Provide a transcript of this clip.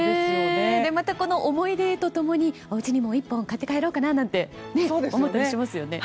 またこの思い出と共におうちにも１本買って帰ろうかななんて思ったりしますよね。